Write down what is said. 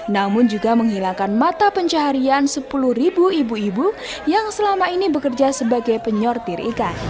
namun juga menghilangkan mata pencaharian sepuluh ibu ibu yang selama ini bekerja sebagai penyortir ikan